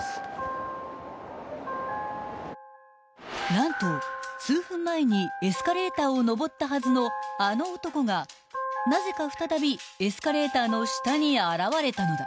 ［何と数分前にエスカレーターを上ったはずのあの男がなぜか再びエスカレーターの下に現れたのだ］